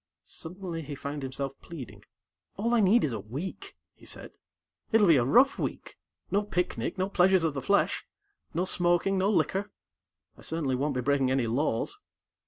Suddenly, he found himself pleading. "All I need is a week," he said. "It'll be a rough week no picnic, no pleasures of the flesh. No smoking, no liquor. I certainly won't be breaking any laws.